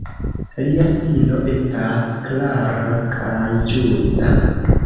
Lia stilo estas klara kaj ĝusta.